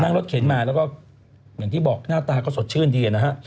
รถเข็นมาแล้วก็อย่างที่บอกหน้าตาก็สดชื่นดีนะฮะ